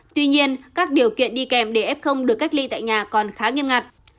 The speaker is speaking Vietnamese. tuy nhiên các điều kiện đi kèm để f được cách ly tại nhà còn khá nghiêm ngặt